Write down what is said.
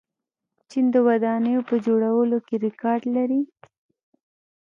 چین د ودانیو په جوړولو کې ریکارډ لري.